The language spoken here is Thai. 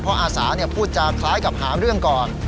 เพราะอาสาพูดจากคล้ายกับหาเรื่องก่อน